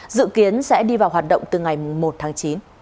dự kiến sẽ đi vào hoạt động từ ngày một tháng chín